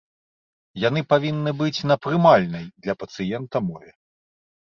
Яны павінны быць на прымальнай для пацыента мове.